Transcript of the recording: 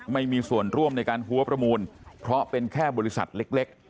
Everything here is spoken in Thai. ไม่มีส่วนร่วมในการหัวประมูลเพราะเป็นแค่บริษัทเล็ก